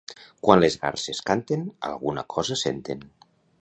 Quan les garses canten, alguna cosa senten.